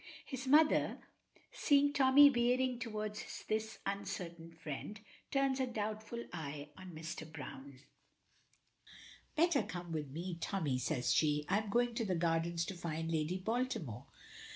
His mother, seeing Tommy veering towards this uncertain friend, turns a doubtful eye on Mr. Browne. "Better come with me, Tommy," says she, "I am going to the gardens to find Lady Baltimore.